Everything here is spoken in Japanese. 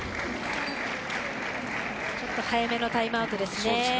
ちょっと早めのタイムアウトですね。